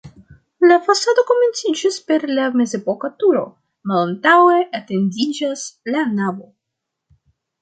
La fasado komenciĝas per la mezepoka turo, malantaŭe etendiĝas la navo.